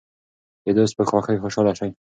د دوست په خوښۍ خوشحاله شئ.